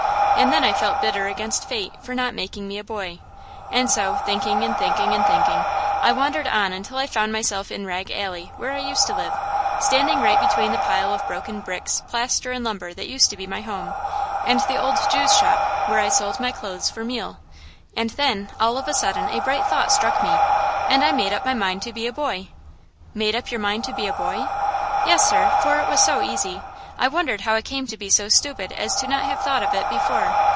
And then I felt bitter against Fate for not making me a boy. And so, thinking and thinking and thinking I wandered on until I found myself in Rag Alley, where I used to live, standing right between the pile of broken bricks, plaster and lumber that used to be my home, and the old Jew's shop where I sold my clothes for meal. And then all of a sudden a bright thought struck me? and I made up my mind to be a boy!" "Made up your mind to be a boy?" "Yes, sir, for it was so easy! I wondered how I came to be so stupid as not to have thought of it before.